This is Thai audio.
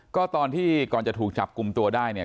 ก็ตอนที่ก่อนจะถูกจับกลุ่มตัวได้เนี่ย